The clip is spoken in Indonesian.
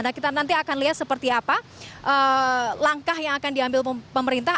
nah kita nanti akan lihat seperti apa langkah yang akan diambil pemerintah